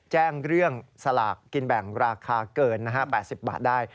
แจ้งเรื่องสลากกินแบ่งราคาเกิน๘๐บาทได้